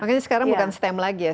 makanya sekarang bukan stem lagi ya